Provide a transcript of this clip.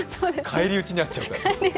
返り討ちに遭っちゃうから。